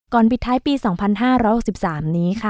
ปิดท้ายปี๒๕๖๓นี้ค่ะ